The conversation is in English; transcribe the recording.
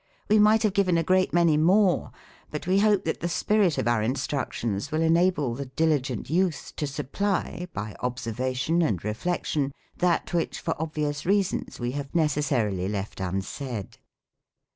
We might have given a great many more ; but we hope that the spirit of our instructions will enable the diligent youth to supply, by observation and reflection, that which, for obvious reasons, we have necessarily left unsaid.